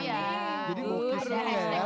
jadi modus itu ya ya